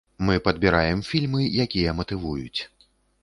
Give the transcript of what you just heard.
Мы падбіраем фільмы, якія матывуюць.